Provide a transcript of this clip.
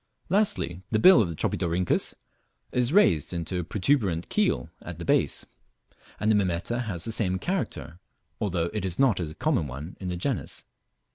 Lastly, the bill of the Tropidorhynchus is raised into a protuberant keel at the base, and the Mimeta has the same character, although it is not a common one in the genus.